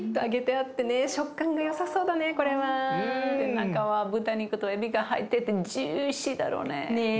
中は豚肉とえびが入っててジューシーだろうね。